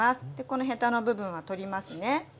このヘタの部分は取りますね。